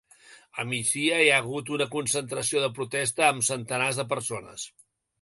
A migdia ja hi ha hagut una concentració de protesta amb centenars de persones.